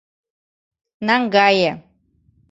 Наҥгае.